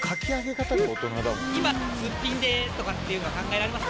今、すっぴんでとかっていうのは、考えられますか？